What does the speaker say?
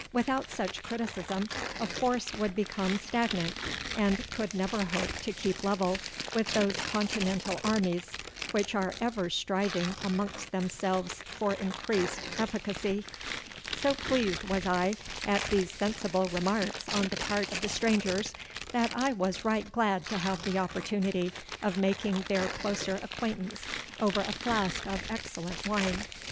'Without such criticism a force would become stagnant, and could never hope to keep level with those continental armies, which are ever striving amongst themselves for increased efficacy.' So pleased was I at these sensible remarks on the part of the strangers, that I was right glad to have the opportunity of making their closer acquaintance over a flask of excellent wine.